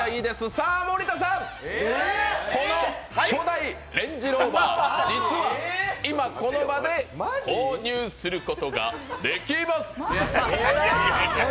さあ、森田さん、初代レンジローバー実は今、この場で購入することができます。